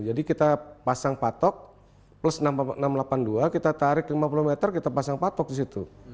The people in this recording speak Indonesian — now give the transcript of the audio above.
jadi kita pasang patok plus enam ratus delapan puluh dua kita tarik lima puluh meter kita pasang patok di situ